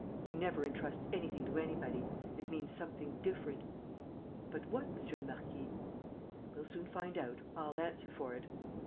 "He never entrusts anything to anybody. It means something different." "But what, monsieur le marquis?" "We'll soon find out, I'll answer for it."